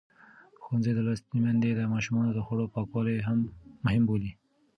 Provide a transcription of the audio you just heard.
ښوونځې لوستې میندې د ماشومانو د خوړو پاکوالی مهم بولي.